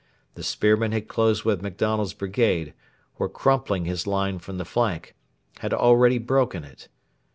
The spearmen had closed with MacDonald's brigade; were crumpling his line from the flank; had already broken it.